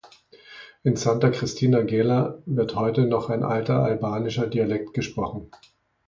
In Santa Cristina Gela wird heute noch ein alter Albanischer Dialekt gesprochen.